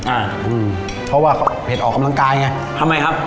อ่าอืมเพราะว่าเผ็ดออกกำลังกายไงทำไมครับ